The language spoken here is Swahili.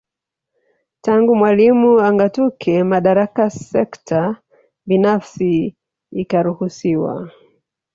Tangu Mwalimu angatuke madaraka Sekta binafsi ikaruhusiwa